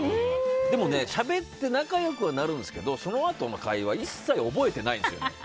でもしゃべって仲良くなるんですけどそのあとの会話一切覚えてないんですよ。